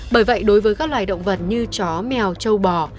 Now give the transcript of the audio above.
bởi vậy đối với các loài động vật như chó mèo châu bò